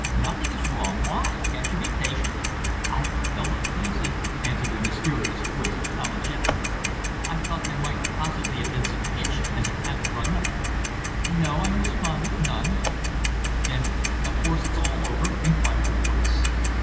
"Nothing is wrong. Why? Can't you be patient?" "I felt uneasy," answered the mysterious voice apologetically. "I thought there might possibly have been some hitch as you haven't rung up." "No," I responded. "None." "Then of course it's all over?" inquired the voice.